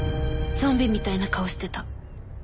ゾンビみたいな顔してた。